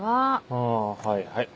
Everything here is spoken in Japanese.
あはいはい。